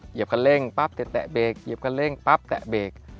คันเร่งปั๊บจะแตะเบรกเหยียบคันเร่งปั๊บแตะเบรก